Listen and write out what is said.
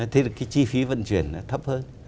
thế thì cái chi phí vận chuyển thấp hơn